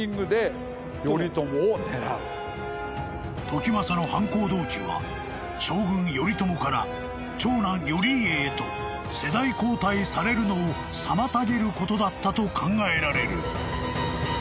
［時政の犯行動機は将軍頼朝から長男頼家へと世代交代されるのを妨げることだったと考えられる］